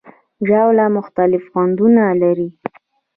ژاوله مختلف خوندونه لري.